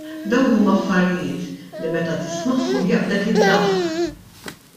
Dawn huma affarijiet li meta tismagħhom jaqbdek id-daħk.